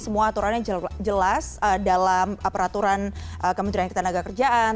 semua aturannya jelas dalam peraturan kementerian ketenagakerjaan